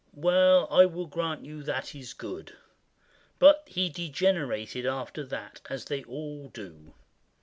Well, I will grant you that is good; But he degenerated after that, As they all do.